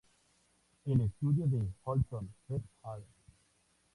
El estudio de Ohlson et al.